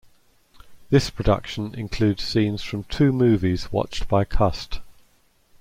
This production includes scenes from two movies watched by Cust.